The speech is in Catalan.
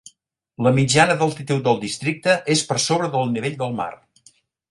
La mitjana d'altitud del districte és per sobre del nivell del mar.